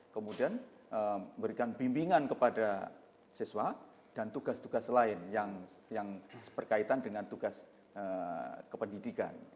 kemudian memberikan bimbingan kepada siswa dan tugas tugas lain yang berkaitan dengan tugas kependidikan